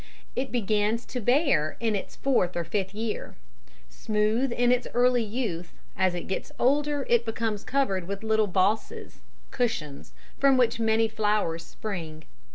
It begins to bear in its fourth or fifth year. Smooth in its early youth, as it gets older it becomes covered with little bosses (cushions) from which many flowers spring.